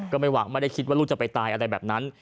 ก็ไม่หวังไม่ได้คิดว่าลูกจะไปตายอะไรแบบนั้น